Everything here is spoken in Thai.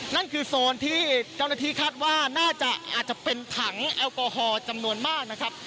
นั่นคือโซนที่เจ้าหน้าที่คาดว่าน่าจะอาจจะเป็นถังแอลกอฮอล์จำนวนมากนะครับ